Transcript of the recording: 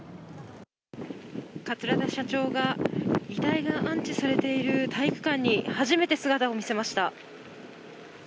桂田社長が、遺体が安置されている体育館に初めて姿を見せました。